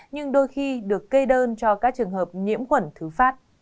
nhưng đôi khi được kê đơn cho các trường hợp nhiễm khuẩn thứ phát